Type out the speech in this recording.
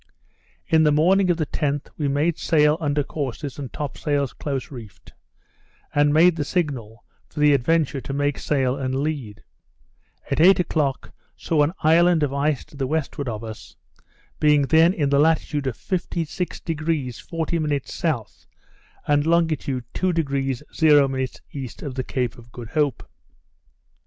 In the morning of the 10th we made sail under courses and top sails close reefed; and made the signal for the Adventure to make sail and lead. At eight o'clock saw an island of ice to the westward of us, being then in the latitude of 56° 40' S. and longitude 2° 0' E. of the Cape of Good Hope.